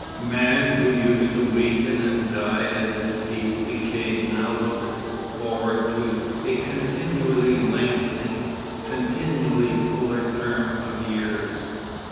Man who used to weaken and die as his teeth decayed now looks forward to a continually lengthening, continually fuller term of years.